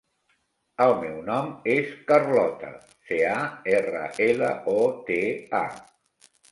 El meu nom és Carlota: ce, a, erra, ela, o, te, a.